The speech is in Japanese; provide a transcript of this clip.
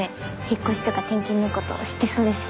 引っ越しとか転勤のこと知ってそうだし。